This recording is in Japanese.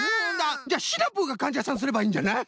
じゃあシナプーがかんじゃさんすればいいんじゃない？